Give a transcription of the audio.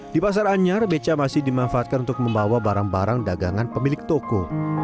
di pasar anyar beca masih dimanfaatkan untuk membawa barang barang dagangan pemilik toko